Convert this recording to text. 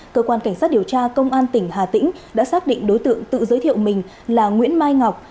cơ quan cảnh sát điều tra công an tỉnh hà tĩnh đã xác định đối tượng tự giới thiệu mình là nguyễn mai ngọc